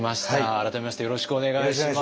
改めましてよろしくお願いします。